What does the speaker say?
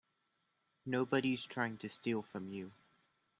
Nobody's trying to steal from you.